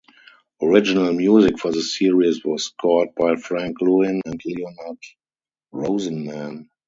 Original music for the series was scored by Frank Lewin and Leonard Rosenman.